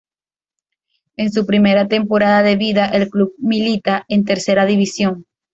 En su primera temporada de vida el club milita en Tercera División.